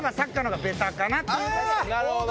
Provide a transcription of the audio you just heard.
なるほど！